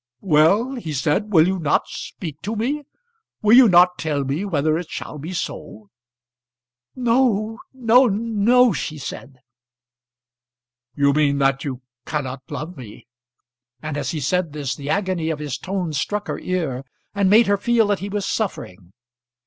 "Well," he said, "will you not speak to me? Will you not tell me whether it shall be so?" "No, no, no," she said. "You mean that you cannot love me." And as he said this the agony of his tone struck her ear and made her feel that he was suffering.